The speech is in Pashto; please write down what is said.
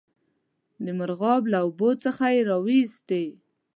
د مرغاب له اوبو څخه یې را وایستی.